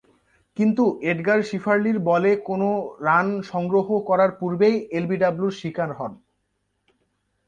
কিন্তু এডগার শিফার্লি’র বলে কোন রান সংগ্রহ করার পূর্বেই এলবিডব্লিউ’র শিকার হন।